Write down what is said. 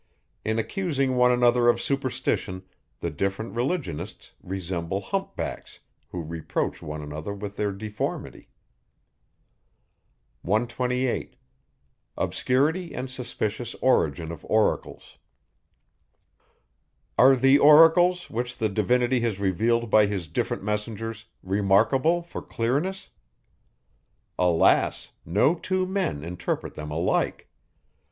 In accusing one another of superstition, the different religionists resemble humpbacks, who reproach one another with their deformity. 128. Are the oracles, which the Divinity has revealed by his different messengers, remarkable for clearness? Alas! no two men interpret them alike.